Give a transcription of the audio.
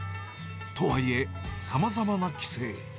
とはいえ、さまざまな規制。